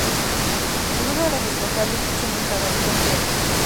Ninguno de los responsables quiso nunca dar cuenta de los hechos.